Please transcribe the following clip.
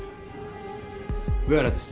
上原です。